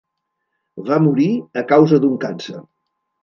Va morir a causa d'un càncer.